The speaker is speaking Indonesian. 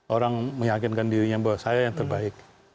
orang meyakinkan dirinya bahwa saya yang terbaik